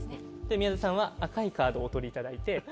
宮田さんは赤いカードをお取りいただいて。